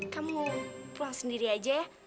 kamu pulang sendiri aja ya